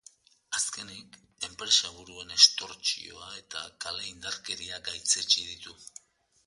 Azkenik, enpresaburuen estortsioa eta kale indarkeria gaitzetsi ditu.